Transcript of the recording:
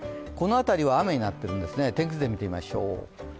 この辺りは雨になっているんですね、天気図で見てみましょう。